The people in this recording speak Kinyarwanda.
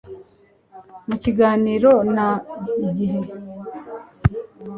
Mu kiganiro na IGIHE,